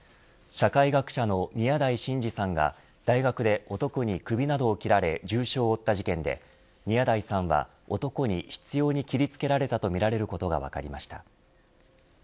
社会学者の宮台真司さんが大学で男に首などを切られ重傷を負った事件で宮台さんは男に執拗に切りつけられたと見られることが分かりました。